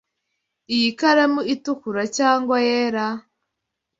Iyi karamu itukura cyangwa yera?